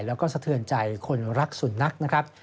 แล้วก็สะเทือนใจคนรักสุนัขนะครับ